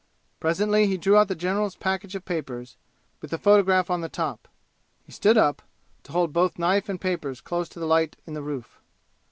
Presently he drew out the general's package of papers, with the photograph on the top. He stood up, to hold both knife and papers close to the light in the roof.